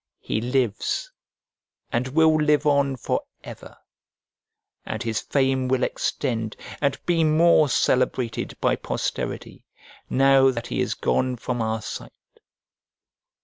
He lives, and will live on for ever; and his fame will extend and be more celebrated by posterity, now that he is gone from our sight.